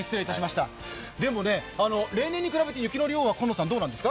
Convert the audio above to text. でも、例年に比べて雪の量、どうなんですか？